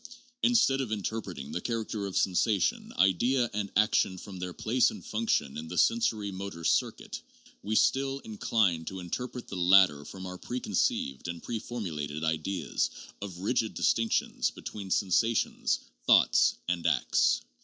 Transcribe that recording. Instead of interpreting the character of sensation, idea and action from their place and function in the sensori motor circuit, we still in cline to interpret the latter from our preconceived and preform ulated ideas of rigid distinctions between sensations, thoughts and acts.